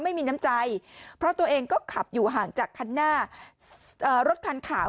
ไม่มีน้ำใจเพราะตัวเองก็ขับอยู่ห่างจากคันหน้ารถคันขาว